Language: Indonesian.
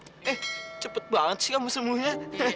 eh cepet banget sih kamu semuanya